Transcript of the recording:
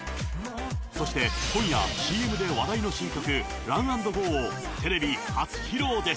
そして、今夜 ＣＭ で話題の新曲 Ｒｕｎ＆Ｇｏ をテレビ初披露です。